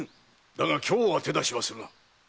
だが今日は手出しはするな！